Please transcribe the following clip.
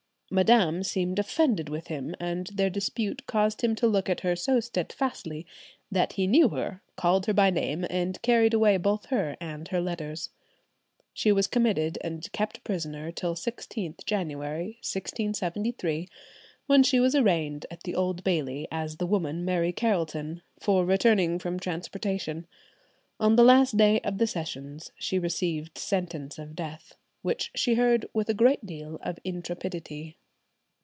"Madam seemed offended with him, and their dispute caused him to look at her so steadfastly that he knew her, called her by her name, and carried away both her and her letters." She was committed and kept a prisoner till 16th January, 1673, when she was arraigned at the Old Bailey, as the woman Mary Carelton, for returning from transportation. On the last day of the Sessions she received sentence of death, "which she heard with a great deal of intrepidity."